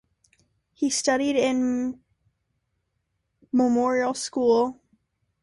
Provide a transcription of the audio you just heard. He studied in Bhabanipur Nasiruddin Memorial School of Kolkata.